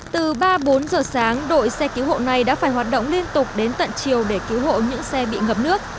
từ ba bốn giờ sáng đội xe cứu hộ này đã phải hoạt động liên tục đến tận chiều để cứu hộ những xe bị ngập nước